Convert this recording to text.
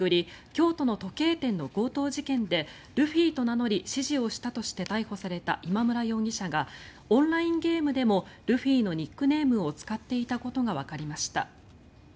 京都の時計店の強盗事件でルフィと名乗り指示をしたとして逮捕された今村容疑者がオンラインゲームでもルフィのニックネームを使っていたことがわかりました。